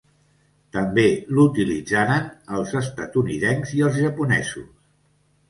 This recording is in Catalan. També l'utilitzaren els estatunidencs i els japonesos.